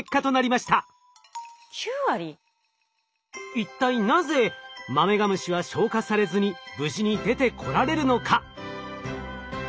一体なぜマメガムシは消化されずに無事に出てこられるのか？